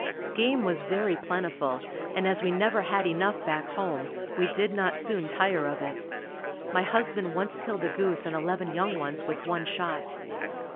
Game was very plentiful and as we never had enough back home, we did not soon tire of it. My husband once killed a goose and eleven young ones with one shot.